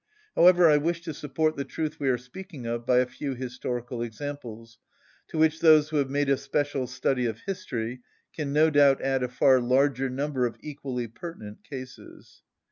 However, I wish to support the truth we are speaking of by a few historical examples, to which those who have made a special study of history can no doubt add a far larger number of equally pertinent cases.